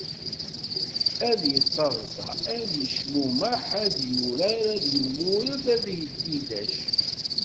Ad yettaḍsa, ad yecmumeḥ, ad yurar, ad yemmured, ad yedidac.